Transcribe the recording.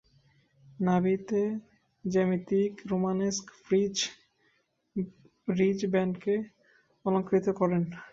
নাভিতে জ্যামিতিক romanesque frieze নকশা ridge ব্যান্ডকে অলংকৃত করে।